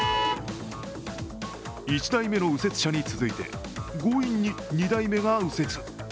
１代目の右折車に続いて強引に２台目が右折。